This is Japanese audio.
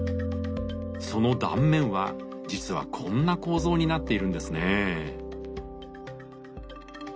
その断面は実はこんな構造になっているんですね。